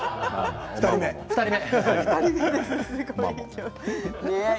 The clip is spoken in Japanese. ２人目。